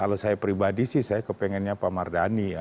kalau saya pribadi sih saya kepengennya pak mardani ya